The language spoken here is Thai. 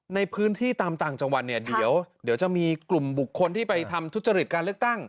ในพื้นที่ตามต่างจังหวัดเนี่ยเดี๋ยวจะมีกลุ่มบุคคลที่ไปทำทุจริตการเลือกตั้ง